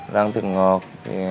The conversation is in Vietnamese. đang thịt ngọt